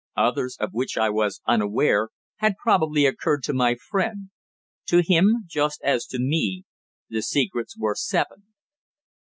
Others, of which I was unaware, had probably occurred to my friend. To him, just as to me, the secrets were seven.